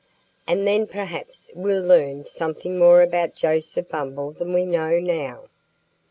And then perhaps we'll learn something more about Joseph Bumble than we know now."